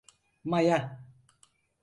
Maya…